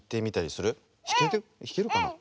ひけるかな？